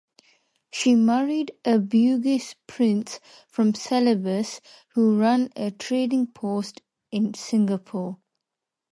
She married a Bugis prince from Celebes who ran a trading post in Singapore.